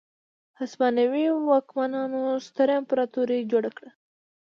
هسپانوي واکمنانو ستره امپراتوري جوړه کړې وه.